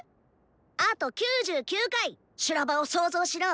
あと９９回修羅場を想像しろ。